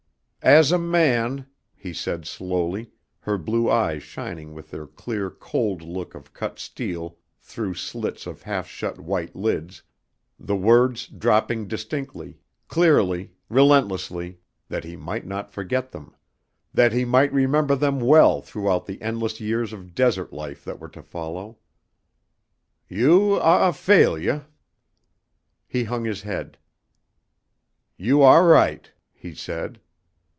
"As a man," she said slowly, her blue eyes shining with their clear cold look of cut steel through slits of half shut white lids, the words dropping distinctly, clearly, relentlessly, that he might not forget them, that he might remember them well throughout the endless years of desert life that were to follow, "you ah a failuah." He hung his head. "You ah right," he said.